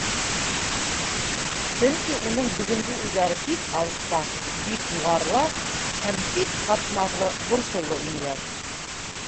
Сөнки уның бөгөнгө уйҙары бик алыҫта, бик юғарыла һәм бик ҡатмарлы, борсоулы инеләр.